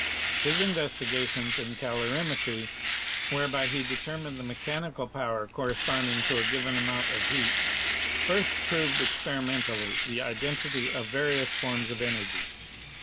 His investigations in calorimetry, whereby he determined the mechanical power corresponding to a given amount of heat, first proved expe rimentally the identity of various forms of energy.